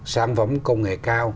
sản phẩm công nghệ cao